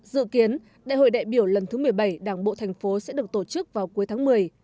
dự kiến đại hội đại biểu lần thứ một mươi bảy đảng bộ thành phố sẽ được tổ chức vào cuối tháng một mươi